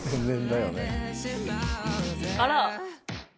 あら！